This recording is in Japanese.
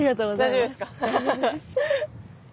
大丈夫です。